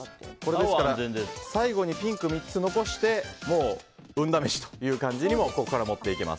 ですから最後にピンクを３つ残して運試しという感じにもここから持っていけます。